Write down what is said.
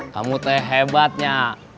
kamu teh hebatnya